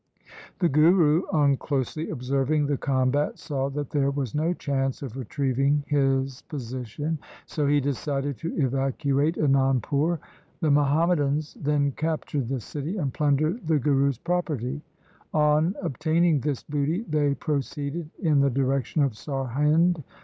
The Guru on closely observing the combat saw that there was no chance of retrieving his position, M 2 164 THE SIKH RELIGION so he decided to evacuate Anandpur. The Muham madans then captured the city and plundered the Guru's property. On obtaining this booty they proceeded in the direction of Sarhind.